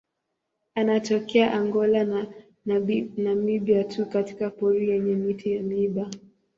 Anatokea Angola na Namibia tu katika pori yenye miti ya miiba.